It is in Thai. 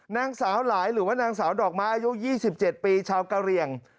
นางสาวหลายหรือว่านางสาวดอกไม้อายุ๒๗ปีชาวกะเหลี่ยง